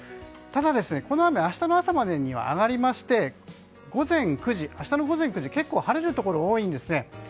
ただ、この雨明日の朝までには上がりまして明日の午前９時結構晴れるところが多いんですね。